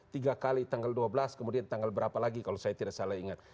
tiga kali tanggal dua belas kemudian tanggal berapa lagi kalau saya tidak salah ingat